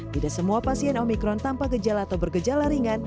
tidak semua pasien omikron tanpa gejala atau bergejala ringan